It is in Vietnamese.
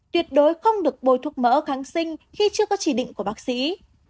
tuyệt đối không được bồi thuốc mỡ kháng sinh khi chưa có chỉ định của bác sĩ